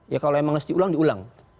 ya kalau emang harus diulang diulang